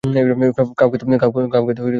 কাউকে তো সাজা পেতে হবে।